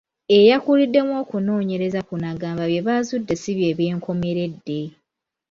Eyakuliddemu okunoonyereza kuno agamba bye bazudde si bye byenkomeredde.